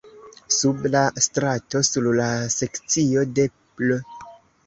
Sub la strato, sur la sekcio de pl.